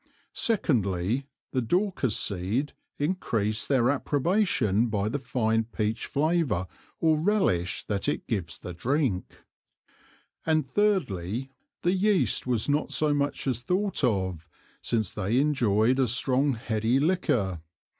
Secondly, The Daucus Seed encreased their approbation by the fine Peach flavour or relish that it gives the Drink; and Thirdly, The Yeast was not so much as thought of, since they enjoyed a strong heady Liquor.